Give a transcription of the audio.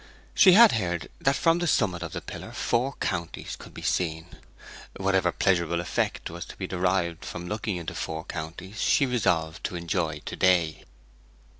She had heard that from the summit of the pillar four counties could be seen. Whatever pleasurable effect was to be derived from looking into four counties she resolved to enjoy to day.